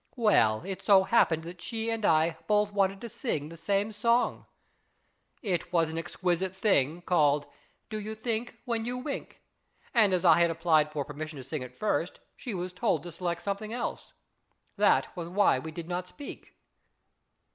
Well, it so happened that she and I both wanted to sing the same song. It IS IT A MAN? 257 was an exquisite thing, called, ' Do yon think when you wink ?' and as I had applied for permission to sing it first she was told to select something else. That was why we did not speak."